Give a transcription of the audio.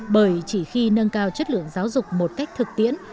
bởi chỉ khi nâng cao chất lượng giáo dục một cách thực tiễn